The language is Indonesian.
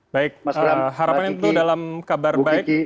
baik harapan itu dalam kabar baik